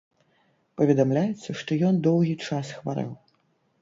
Паведамляецца, што ён доўгі час хварэў.